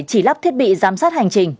chỉ lắp thiết bị giám sát hành trình